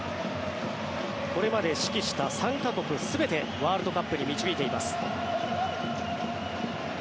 これまで指揮した３か国全てワールドカップに導いています。